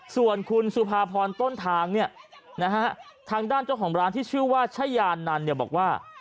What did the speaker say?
ส่วนคุณสุภาพรต้นทางทางด้านเจ้าของร้านที่ชื่อว่าชะยานันต์บอกว่า